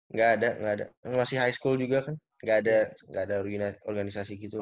engga ada engga ada masih high school juga kan engga ada engga ada organisasi gitu